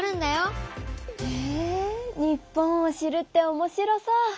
へえ日本を知るっておもしろそう。